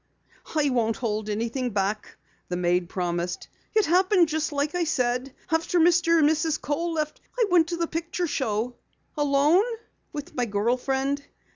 "I won't hold anything back," the maid promised. "It happened just like I said. After Mr. and Mrs. Kohl left I went to a picture show." "Alone?" "With my girl friend.